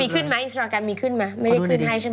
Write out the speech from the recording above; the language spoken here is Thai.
ขึ้นไหมอินสตราแกรมมีขึ้นไหมไม่ได้ขึ้นให้ใช่ไหม